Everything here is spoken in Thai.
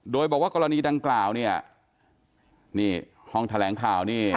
โดยบอกว่ากรณีดังกล่าวเนี่ยนี่ห้องแถลงข่าวนี่